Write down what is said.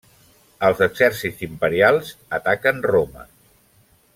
Els exèrcits imperials ataquen Roma.